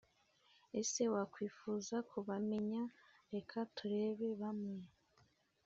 Ese wakwifuza kubamenya Reka turebe bamwe